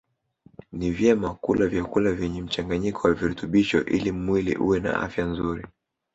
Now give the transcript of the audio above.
Ni vyema kula vyakula vyenye mchanganyiko wa virutubisho ili mwili uwe na afya nzuri